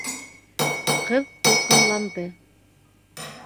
Ҡыҙ тулҡынланды.